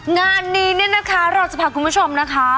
งานนี้เนี่ยนะคะเราจะพาคุณผู้ชมนะคะ